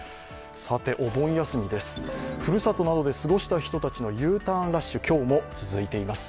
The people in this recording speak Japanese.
お盆休みです、ふるさとなどで過ごした人たちのＵターンラッシュ、今日も続いています。